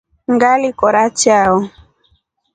Ngili kora chao.